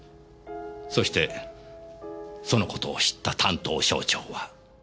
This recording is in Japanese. そしてそのことを知った担当省庁は。